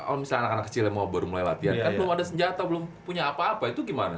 om misalnya anak anak kecil yang baru mulai latihan kan belum ada senjata belum punya apa apa itu gimana